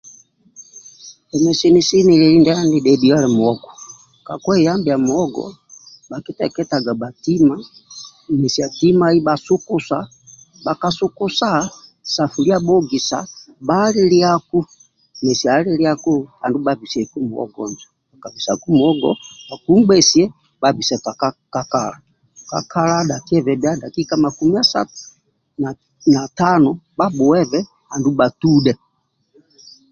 emi sini sini ndia nidhedhiyo ali muhogo kakweyambiya muhogo bakiteketaga batima kumesiya timai basukusa bakasukusa sefuliya bahogisa bahalilyaku mesiya halilyai andulu babiseku muhogo njo baka bhisaku muhogo bakungbesiya baka dakiya kungbesiyai babisa kakala adhakiyebhe bya dakika makumi asatu natano babuwebe andulu ba tudhe